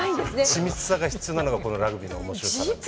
緻密さが必要なのがこのラグビーの面白さなんですね。